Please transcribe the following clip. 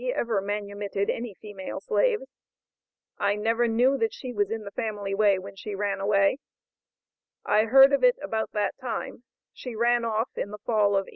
ever manumitted any female slaves; I never knew that she was in the family way when she ran away; I heard of it about that time; she ran off in the fall of 1828.